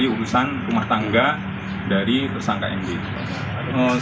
jadi ini adalah hal yang harus dilakukan untuk memperbaiki